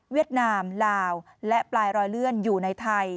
นามลาวและปลายรอยเลื่อนอยู่ในไทย